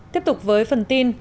tiếp tục với phần tin